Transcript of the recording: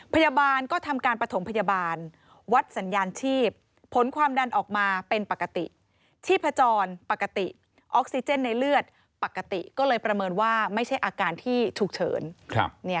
พยาบาลก็ทำการประถมพยาบาลวัดสัญญาณชีพผลความดันออกมาเป็นปกติชีพจรปกติออกซิเจนในเลือดปกติก็เลยประเมินว่าไม่ใช่อาการที่ฉุกเฉิน